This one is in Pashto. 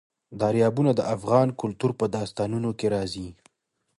دریابونه د افغان کلتور په داستانونو کې راځي.